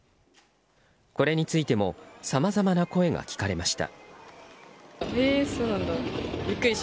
これについてもさまざまな声が聞かれました。